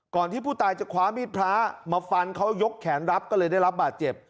ที่ผู้ตายจะคว้ามีดพระมาฟันเขายกแขนรับก็เลยได้รับบาดเจ็บ